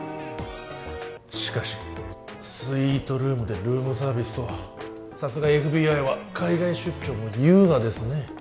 しかしスイートルームでルームサービスとはさすがＦＢＩは海外出張も優雅ですね